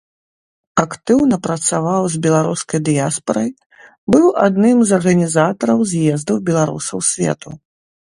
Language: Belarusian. Актыўна працаваў з беларускай дыяспарай, быў адным з арганізатараў з'ездаў беларусаў свету.